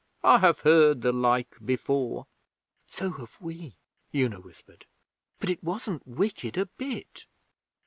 I have heard the like before.' 'So have we,' Una whispered. 'But it wasn't wicked a bit.'